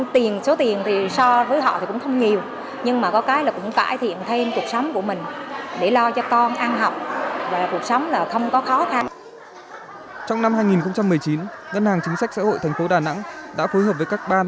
trong năm hai nghìn một mươi chín ngân hàng chính sách xã hội thành phố đà nẵng đã phối hợp với các ban